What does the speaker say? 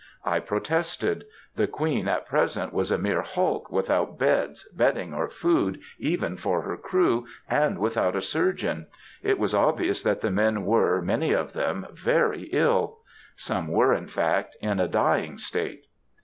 I protested. The Queen at present was a mere hulk, without beds, bedding, or food even for her crew, and without a surgeon. It was obvious that the men were, many of them, very ill. Some were, in fact, in a dying state.